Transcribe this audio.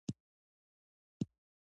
دا خزانه د پښتو د ټکنالوژۍ میراث دی.